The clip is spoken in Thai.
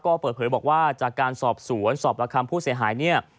ก็เปิดเผยบอกว่าจากการสอบสวนสอบประคำผู้เสียหายเนี่ย